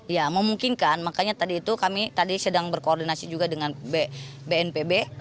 ya memungkinkan makanya tadi itu kami tadi sedang berkoordinasi juga dengan bnpb